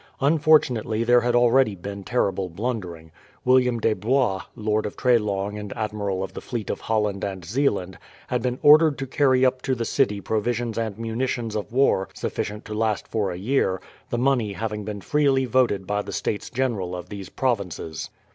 Unfortunately there had already been terrible blundering. William de Blois, Lord of Treslong and Admiral of the fleet of Holland and Zeeland, had been ordered to carry up to the city provisions and munitions of war sufficient to last for a year, the money having been freely voted by the States General of these provinces.